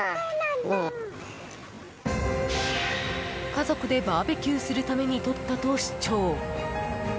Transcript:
家族でバーベキューするためにとったと主張。